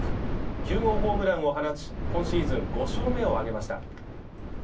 ９号ホームランを放ち、今シーズン５勝目を挙げました。